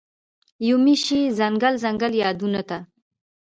یومي شي ځنګل، ځنګل یادونوته